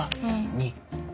２。